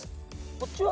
こっちは？